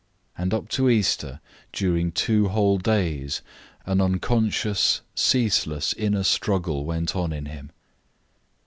And up to Easter, during two whole days, an unconscious, ceaseless inner struggle went on in him.